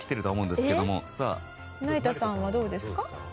成田さんはどうですか？